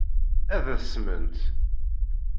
Ad asment.